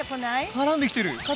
からんできてる！